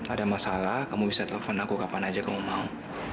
ada masalah kamu bisa telepon aku kapan aja kamu mau